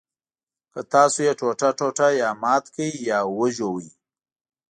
که تاسو یې ټوټه ټوټه یا مات کړئ یا وژوئ.